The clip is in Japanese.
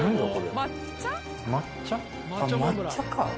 抹茶か。